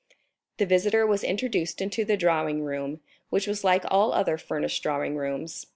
The visitor was introduced into the drawing room, which was like all other furnished drawing rooms.